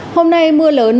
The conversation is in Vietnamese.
hôm nay mưa lớn